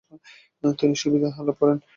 তিনি সুবিধা লাভ করেন।